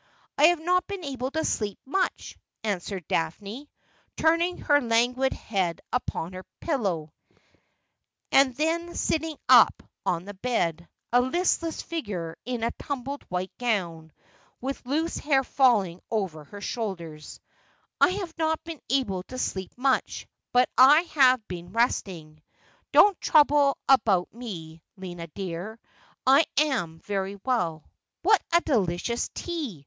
' I have not been able to sleep much,' answered Daphne, turn ing her languid head upon her pillow, and then sitting up on the bed, a listless figure in a tumbled white gown, with loose hair falling over shoulders ;' I have not been able to sleep much, but I have been resting. Don't trouble about me, Lina dear. I am very well. What delicious tea